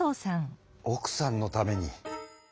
おくさんのために。